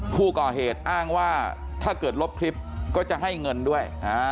ผู้ก่อเหตุอ้างว่าถ้าเกิดลบคลิปก็จะให้เงินด้วย